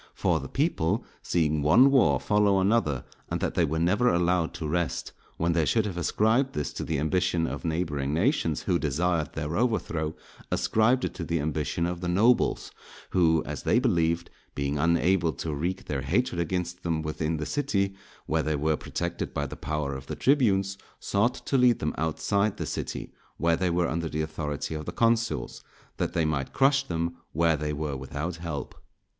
For the people seeing one war follow another, and that they were never allowed to rest, when they should have ascribed this to the ambition of neighbouring nations who desired their overthrow, ascribed it to the ambition of the nobles, who, as they believed, being unable to wreak their hatred against them within the city, where they were protected by the power of the tribunes, sought to lead them outside the city, where they were under the authority of the consuls, that they might crush them where they were without help.